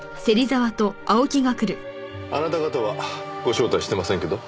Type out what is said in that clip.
あなた方はご招待してませんけど？